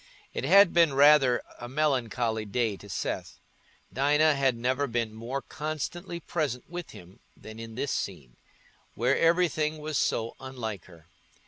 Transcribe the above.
It had been rather a melancholy day to Seth: Dinah had never been more constantly present with him than in this scene, where everything was so unlike her.